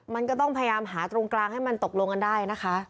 มันก็ต้องพยายามหาตรงกลางให้มันตกลงกันได้นะคะ